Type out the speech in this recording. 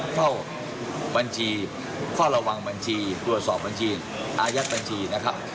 เข้าบัญชีเฝ้าระวังบัญชีตรวจสอบบัญชีอายัดบัญชีนะครับ